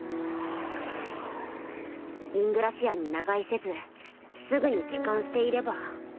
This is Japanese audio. イングラシアに長居せずすぐに帰還していれば。